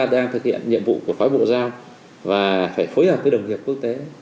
đang thực hiện nhiệm vụ của phái bộ giao và phải phối hợp với đồng nghiệp quốc tế